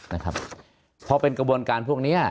นะครับพอเป็นกระบวนการพวกเนี้ย